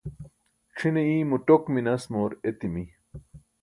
c̣ʰine imo ṭok minas moor etimi